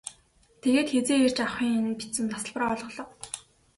Тэгээд хэзээ ирж авахы нь бичсэн тасалбар олголоо.